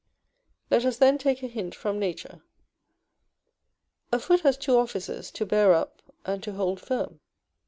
Let us, then, take a hint from nature. A foot has two offices, to bear up, and to hold firm.